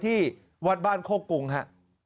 ที่วัดบ้านโคกรุงฮะ